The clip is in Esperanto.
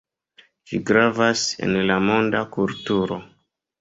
Ĝi gravas en la monda kulturo.